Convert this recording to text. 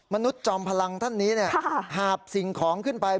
มนุษย์จอมพลังท่านนี้เนี่ยหาบสิ่งของขึ้นไป